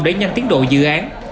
để nhanh tiến độ dự án